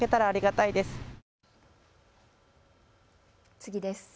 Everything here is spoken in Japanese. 次です。